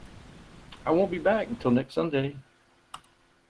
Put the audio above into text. I won't be back until next Sunday.